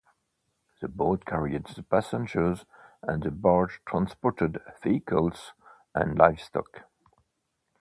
The boat carried the passengers and the barge transported vehicles and livestock.